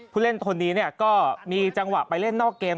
ผู้เล่นตรงนี้ก็มีจังหวะไปเล่นนอกเกม